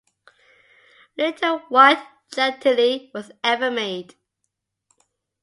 Little white Chantilly was ever made.